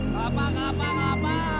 kelapa kelapa kelapa